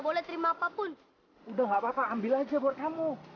boleh terima apapun udah nggak papa ambil aja buat kamu